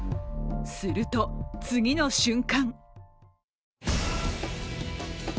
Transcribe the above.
すると次の瞬間。